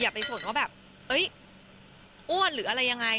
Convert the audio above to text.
ไปสนว่าแบบเอ้ยอ้วนหรืออะไรยังไง